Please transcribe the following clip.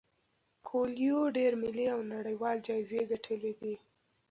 کویلیو ډیر ملي او نړیوال جایزې ګټلي دي.